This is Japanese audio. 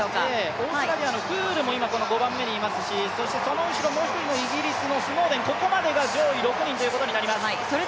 オーストラリアのフールも今、５番目にいますしそしてその後ろ、もう１人のイギリスのスノーデン、ここまでが上位６人ということになります。